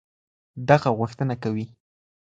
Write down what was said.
دغه غوښتنه كوي